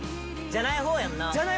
じゃない方やから。